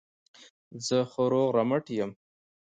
زه ښه روغ رمټ یم.